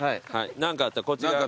何かあったらこっち側。